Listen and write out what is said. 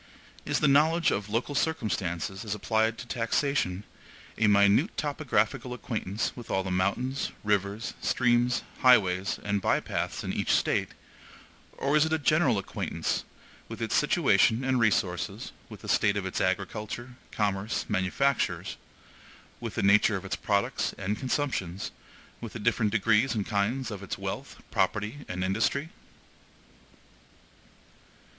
Is the knowledge of local circumstances, as applied to taxation, a minute topographical acquaintance with all the mountains, rivers, streams, highways, and bypaths in each State; or is it a general acquaintance with its situation and resources, with the state of its agriculture, commerce, manufactures, with the nature of its products and consumptions, with the different degrees and kinds of its wealth, property, and industry?